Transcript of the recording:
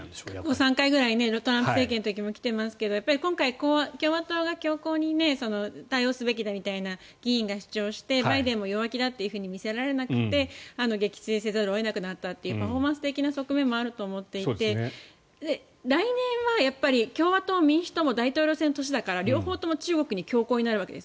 ３回ぐらい来ていますけど今回、共和党の議員が強硬的に対応すべきだみたいな議員が主張してバイデンも弱気だというふうに見せられなくて撃墜せざるを得なくなったというパフォーマンス的側面もあると思っていて来年は共和党、民主党も大統領選の年だから両方とも中国に強硬になるわけです。